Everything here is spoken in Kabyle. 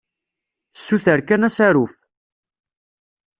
Ssuter kan asaruf.